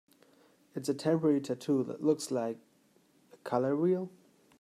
It's a temporary tattoo that looks like... a color wheel?